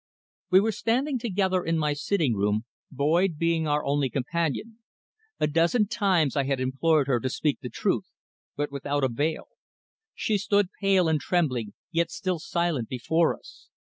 We were standing together in my sitting room, Boyd being our only companion. A dozen times I had implored her to speak the truth, but without avail. She stood pale and trembling, yet still silent before us.